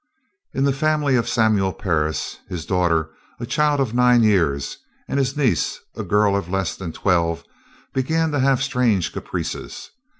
In the family of Samuel Parris, his daughter, a child of nine years, and his niece, a girl of less than twelve, began to have strange caprices.